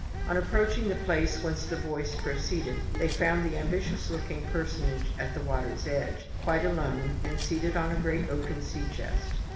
On approaching the place whence the voice proceeded, they found this amphibious looking personage at the water's edge, quite alone, and seated on a great oaken sea chest.